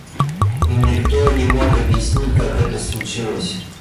И никто не мог объяснить, как это случилось.